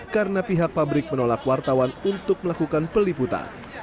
karena pihak pabrik menolak wartawan untuk melakukan peliputan